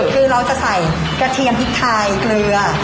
คือเราจะใส่กระเทียมพริกไทยเกลือ